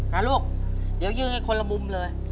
นะลูกเดี๋ยวยื่นให้คนละมุมเลย